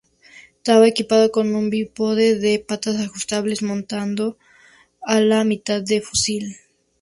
Estaba equipado con un bípode de patas ajustables, montado a la mitad del fusil.